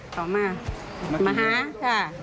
เขามามาหาค่ะ